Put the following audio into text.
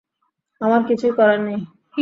আমার কিছুই করার নেই!